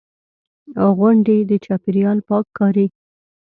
غونډې، د چاپېریال پاک کاري.